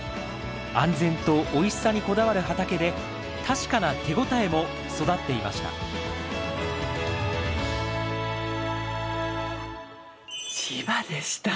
安全とおいしさにこだわる畑で確かな手応えも育っていました千葉でした！